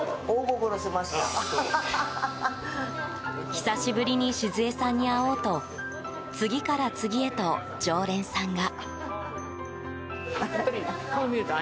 久しぶりに静恵さんに会おうと次から次へと常連さんが。